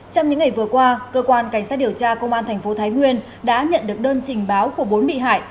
trong những ngày vừa qua cơ quan cảnh sát điều tra công an thành phố thái nguyên đã nhận được đơn trình báo của bốn bị hại